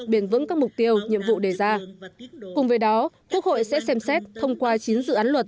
biển vững các mục tiêu nhiệm vụ đề ra cùng với đó quốc hội sẽ xem xét thông qua chín dự án luật